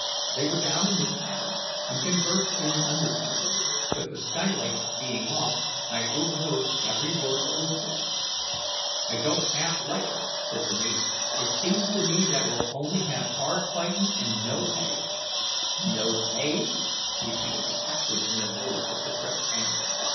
They were down in the cabin, and conversed in an undertone; but the skylight being off; I overhead every word that was said. "I don't half like it," said the mate. "It seems to me that we'll only have hard fightin' and no pay." "No pay!" repeated the captain in a voice of suppressed anger.